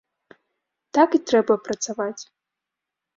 Так і трэба працаваць.